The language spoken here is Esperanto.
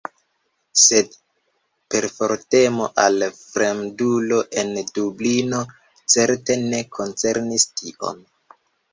Sed perfortemo al fremdulo en Dublino certe ne koncernis tion.